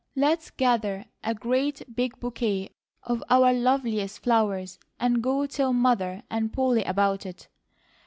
Let's gather a great big bouquet of our loveliest flowers, and go tell Mother and Polly about it."